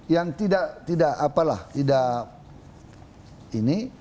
yang tidak apalah tidak ini